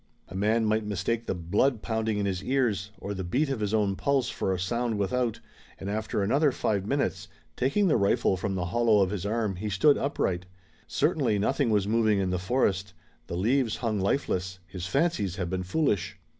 A man might mistake the blood pounding in his ears or the beat of his own pulse for a sound without, and after another five minutes, taking the rifle from the hollow of his arm, he stood upright. Certainly nothing was moving in the forest. The leaves hung lifeless. His fancies had been foolish.